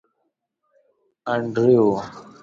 انډریو.